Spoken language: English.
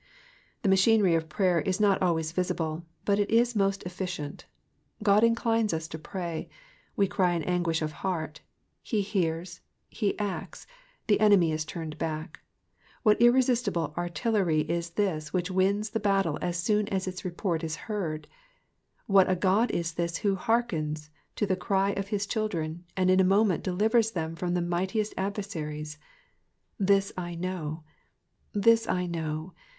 The machinery of prayer is not always visible, but it is most efficient. God inclines us to pray, we cry in anguish of heart, he heai*s, he acts, the enemy is turned back. What irresistible artillery is this which wins the battle as soon as its report is heard 1 What a God is this who hearkens to the cry of his children, and in a moment delivers them from the mightiest adversaries! 7%w / know.'''